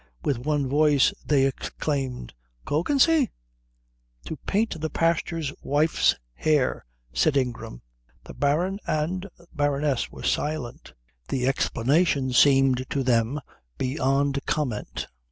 With one voice they exclaimed, "Kökensee?" "To paint the pastor's wife's hair," said Ingram. The Baron and Baroness were silent. The explanation seemed to them beyond comment.